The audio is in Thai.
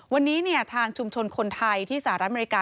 วันนี้ทางชุมชนคนไทยที่สหรัฐอเมริกา